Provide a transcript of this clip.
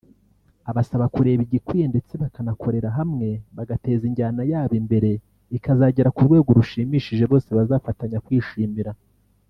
Abasaba kureba igikwiye ndetse bakanakorera hamwe bagateza injyana yabo imbere ikazagera ku rwego rushimishije bose bazafatanya kwishimira